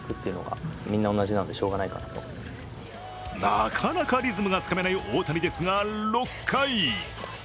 なかなかリズムがつかめない大谷ですが、６回。